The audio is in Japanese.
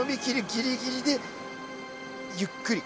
ギリギリでゆっくり。